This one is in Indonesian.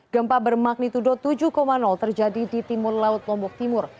gempa bermagnitudo tujuh terjadi di timur laut lombok timur